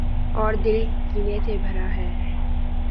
اوردل کینے سے بھراہے۔